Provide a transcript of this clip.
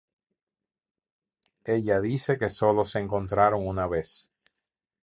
Ella dice que sólo se encontraron una vez.